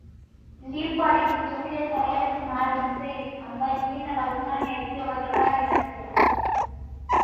Ndipo alijitokeza Hayati Maalim Self ambaye jina la utani alipewa Jabali la siasa